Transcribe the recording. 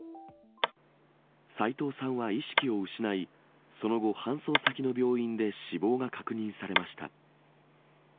斉藤さんは意識を失い、その後、搬送先の病院で死亡が確認されました。